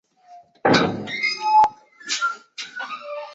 其后参与藤原纯友谋反后的余党平定工作。